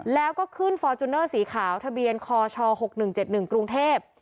แล้วก็ขึ้นฟอร์จูเนอร์สีขาวทะเบียนคช๖๑๗๑กรุงเทพ